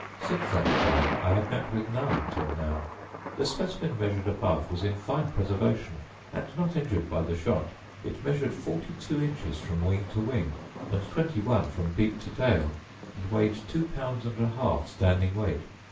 * Since that time I have met with none till now. The specimen measured above was in fine preservation, and not injured by the shot: it measured forty two inches from wing to wing, and twenty one from beak to tail, and weighed two pounds and an half standing weight.